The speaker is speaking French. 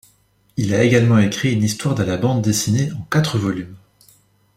Il a également écrit une histoire de la bande dessinée en quatre volumes.